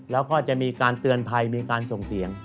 แล้วก็จะมีการเตือนภัยมีการส่งเสียง